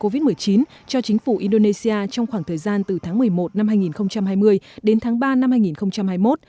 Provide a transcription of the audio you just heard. covid một mươi chín cho chính phủ indonesia trong khoảng thời gian từ tháng một mươi một năm hai nghìn hai mươi đến tháng ba năm hai nghìn hai mươi một